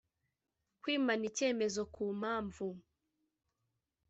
Kwimana icyemezo ku mpamvu